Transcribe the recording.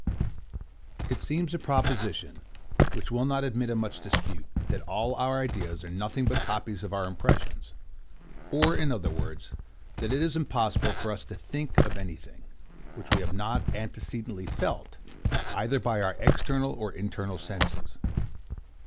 It seems a proposition, which will not admit of much dispute, that all our ideas are nothing but copies of our impressions, or, in other words, that it is impossible for us to think of any thing, which we have not antecedently felt, either by our external or internal senses.